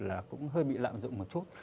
là cũng hơi bị lạm dụng một chút